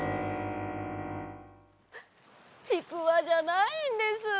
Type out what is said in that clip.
ちくわじゃないんです。